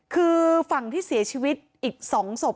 คือฝั่งที่เสียชีวิตอีก๒ศพ